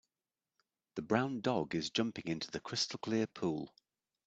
The brown dog is jumping into the crystalclear pool.